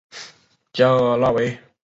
加尔拉韦。